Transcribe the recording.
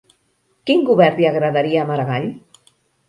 Quin govern li agradaria a Maragall?